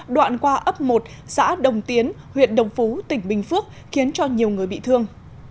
đoạn qua ấp một xã đồng tiến huyện đồng phú tỉnh bình phước khiến cho nhiều người bị thương